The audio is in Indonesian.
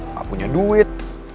gak punya duit